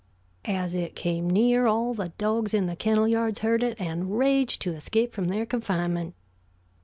As it came near, all the dogs in the kennel yards heard it and raged to escape from their confinement.